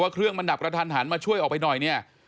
เครื่องมันดับกระทันหันมาช่วยออกไปหน่อยเนี่ย